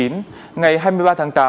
ngày hai mươi ba tháng tám